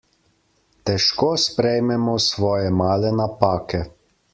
Težko sprejmemo svoje male napake.